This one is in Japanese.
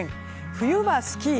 冬はスキー